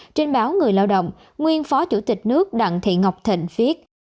trên báo người lao động nguyên phó chủ tịch nước đặng thị ngọc thịnh viết